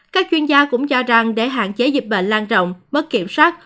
các chuyên gia cũng cho rằng để hạn chế dịch bệnh lan rộng mất kiểm soát